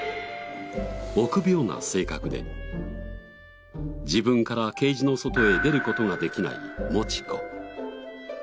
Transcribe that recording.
臆病な性格で自分からケージの外へ出る事ができないもち子。